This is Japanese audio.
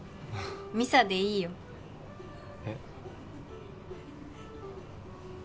「美沙」でいいよ。えっ？